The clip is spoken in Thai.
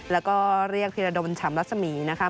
แล้วก็เรียกธีรภัณฑ์ฉำรักษมีนะครับ